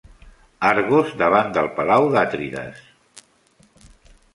Argos, davant del palau de Atrides.